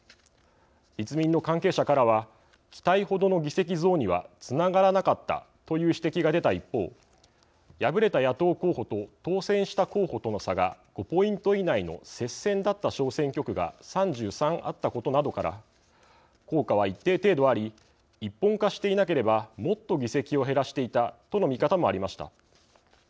立民の関係者からは期待ほどの議席増にはつながらなかったという指摘が出た一方敗れた野党候補と当選した候補との差が５ポイント以内の接戦だった小選挙区が３３あったことなどから効果は一定程度あり一本化していなければもっと議席を減らしていたとの見方もありました。